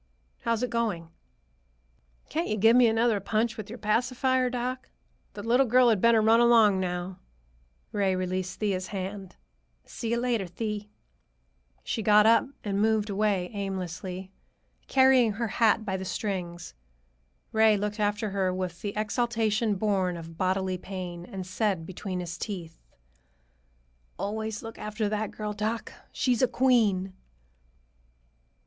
"How's it going?" "Can't you give me another punch with your pacifier, doc? The little girl had better run along now." Ray released Thea's hand. "See you later, Thee." She got up and moved away aimlessly, carrying her hat by the strings. Ray looked after her with the exaltation born of bodily pain and said between his teeth, "Always look after that girl, doc. She's a queen!"